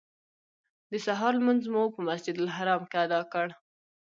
د سهار لمونځ مو په مسجدالحرام کې ادا کړ.